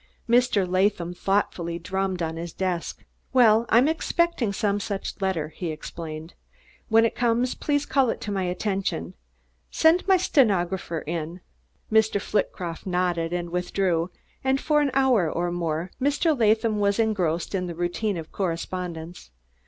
Mr. Latham thoughtfully drummed on his desk. "Well, I'm expecting some such letter," he explained. "When it comes please call it to my attention. Send my stenographer in." Mr. Flitcroft nodded and withdrew; and for an hour or more Mr. Latham was engrossed in the routine of correspondence.